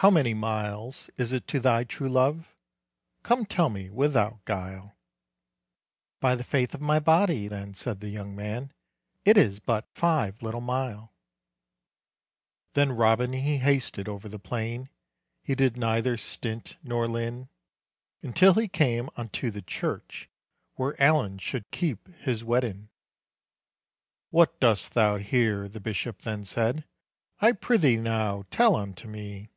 "How many miles is it to thy true love? Come tell me without guile." "By the faith of my body," then said the young man, "It is but five little mile." Then Robin he hasted over the plain; He did neither stint nor lin, Until he came unto the church Where Allen should keep his weddin'. "What dost thou here?" the bishop then said, "I prithee now tell unto me."